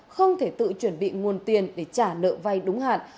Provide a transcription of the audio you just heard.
không thể tự chuẩn bị nguồn tiền để trả nợ vay đúng hạn